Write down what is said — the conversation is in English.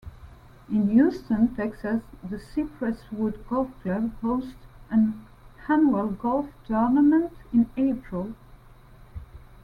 In Houston, Texas, the Cypresswood Golf Club hosts an annual golf tournament in April.